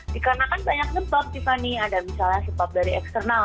dikarenakan banyak sebab tiffany ada misalnya sebab dari eksternal